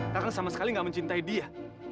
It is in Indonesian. kakang sama sekali gak mencintai dia